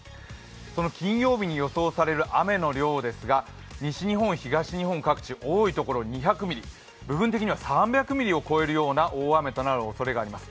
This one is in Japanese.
その金曜日に予想される雨の量ですが、西日本、東日本各地多いところ２００ミリ、部分的には３００ミリを超えるような大雨となるおそれがあります